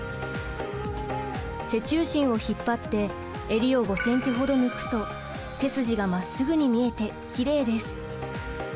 背中心をひっぱってえりを５ｃｍほど抜くと背筋がまっすぐに見えてきれいです。